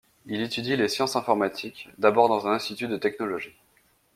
Il étudie les sciences informatiques, d'abord dans un institut de technologie.